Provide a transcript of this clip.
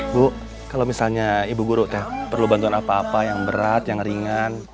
bu kalau misalnya ibu guru teh perlu bantuan apa apa yang berat yang ringan